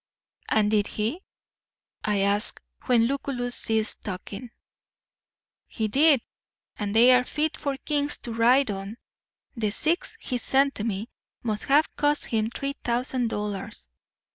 '" "And did he?" I asked, when Lucullus ceased talking. "He did. And they are fit for kings to ride on. The six he sent me must have cost him three thousand dollars.